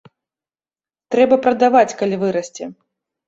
Трэба прадаваць, калі вырасце!